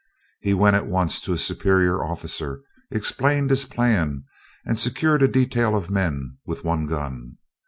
He went at once to his superior officer, explained his plan, and secured a detail of men with one gun.